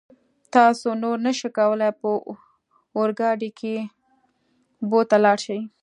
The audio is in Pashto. تاسو نور نشئ کولای په اورګاډي کې بو ته لاړ شئ.